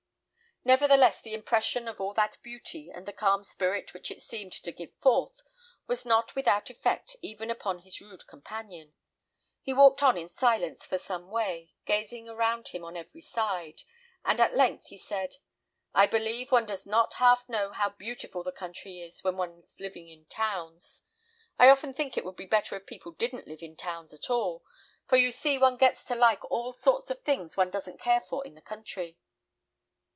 Nevertheless, the impression of all that beauty and the calm spirit which it seemed to give forth, was not without effect even upon his rude companion. He walked on in silence for some way, gazing around him on every side, and at length he said "I believe one does not half know how beautiful the country is when one's living in towns. I often think it would be better if people didn't live in towns at all, for you see one gets to like all sorts of things one doesn't care for in the country."